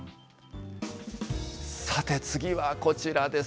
さて次はこちらです。